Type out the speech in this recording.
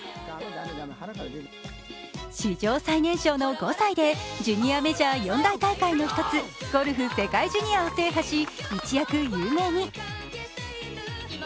史上最年少の５歳でジュニア四大大会のゴルフ世界ジュニアを制覇し一躍有名に。